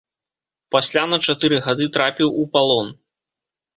Пасля на чатыры гады трапіў у палон.